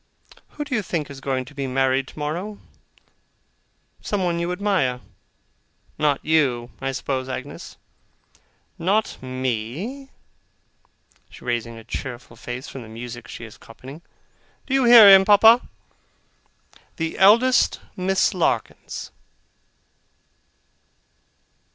'Who do you think is going to be married tomorrow? Someone you admire.' 'Not you, I suppose, Agnes?' 'Not me!' raising her cheerful face from the music she is copying. 'Do you hear him, Papa? The eldest Miss Larkins.